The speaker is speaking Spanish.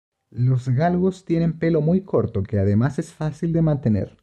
Los galgos tienen pelo muy corto, que además es fácil de mantener.